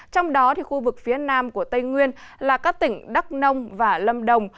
trong đó khu vực phía nam của tây nguyên là các tỉnh đắk nông và lâm đồng